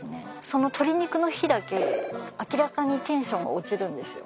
その鶏肉の日だけ明らかにテンションが落ちるんですよ。